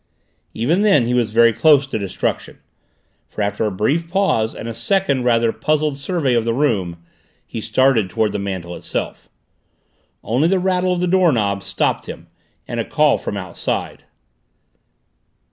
Even then he was very close to destruction, for after a brief pause and a second rather puzzled survey of the room, he started toward the mantel itself. Only the rattle of the doorknob stopped him, and a call from outside.